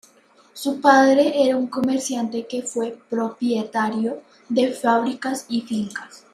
Su padre era un comerciante que fue propietario de fábricas y fincas.